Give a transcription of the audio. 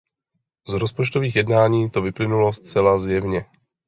Z rozpočtových jednání to vyplynulo zcela zjevně.